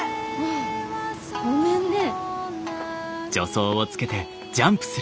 あっごめんね。